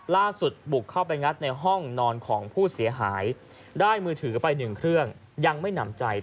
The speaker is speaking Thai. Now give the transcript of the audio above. บุกเข้าไปงัดในห้องนอนของผู้เสียหายได้มือถือไปหนึ่งเครื่องยังไม่หนำใจ